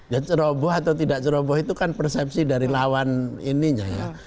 ya ceroboh atau tidak ceroboh itu kan persepsi dari lawan ininya ya